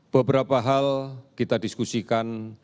beberapa hal kita diskusikan